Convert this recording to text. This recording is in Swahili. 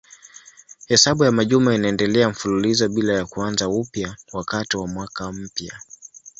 Hesabu ya majuma inaendelea mfululizo bila ya kuanza upya wakati wa mwaka mpya.